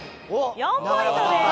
４ポイントです。